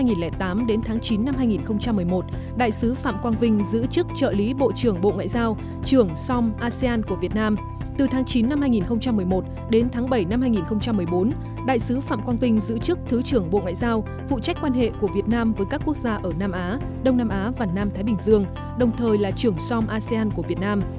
năm hai nghìn một mươi bảy hai nghìn một mươi bốn đại sứ phạm quang vinh giữ chức thứ trưởng bộ ngoại giao phụ trách quan hệ của việt nam với các quốc gia ở nam á đông nam á và nam thái bình dương đồng thời là trưởng som asean của việt nam